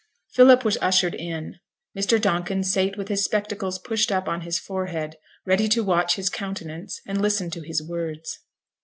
Philip was ushered in. Mr. Donkin sate with his spectacles pushed up on his forehead, ready to watch his countenance and listen to his words.